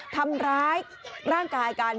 ทำร้ายร่างกายกัน